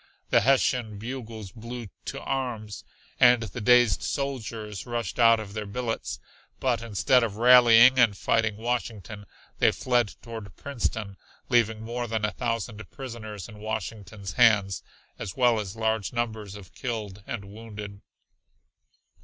The Hessian bugles blew "to arms" and the dazed soldiers rushed out of their billets, but instead of rallying and fighting Washington they fled toward Princeton, leaving more than a thousand prisoners in Washington's hands, as well as large numbers of killed and wounded.